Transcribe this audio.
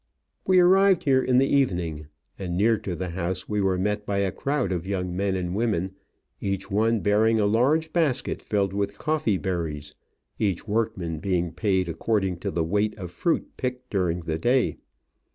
We arrived here in the evening, and near to the house we were met by a crowd of young men and women, each one bearing a large basket filled with coffee berries, each workman being paid according to the weight of fruit picked during the day.